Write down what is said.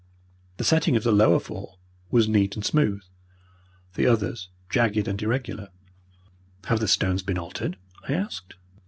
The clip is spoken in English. The setting of the lower four was neat and smooth. The others jagged and irregular. "Have the stones been altered?" I asked.